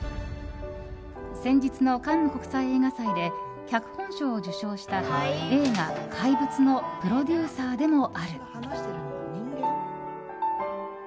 先日のカンヌ国際映画祭で脚本賞を受賞した映画「怪物」のプロデューサーでもある。